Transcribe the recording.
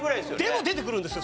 でも出てくるんですよ！